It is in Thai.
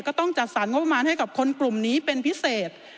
ก็ต้องจัดสรรงบประมาณให้กับคนกลุ่มนี้เป็นพิเศษ